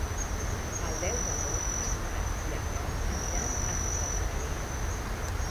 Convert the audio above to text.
El deu d'agost en Marc i en Roc aniran a Santa Margalida.